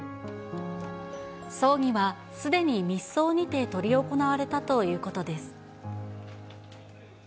葬儀はすでに密葬にて執り行われたということです。